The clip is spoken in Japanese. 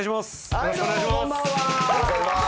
よろしくお願いします。